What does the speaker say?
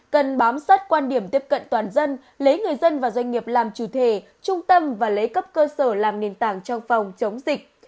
cần bám sát quan điểm tiếp cận toàn dân lấy người dân và doanh nghiệp làm chủ thể trung tâm và lấy cấp cơ sở làm nền tảng trong phòng chống dịch